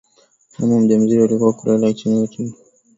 mama mjamzito anatakiwa kulala kwenye chandulua cha dawa